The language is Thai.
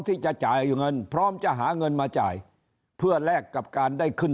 ที่จะจ่ายเงินพร้อมจะหาเงินมาจ่ายเพื่อแลกกับการได้ขึ้น